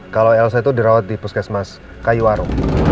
kalo elsa itu dirawat di puskesmas kayu aro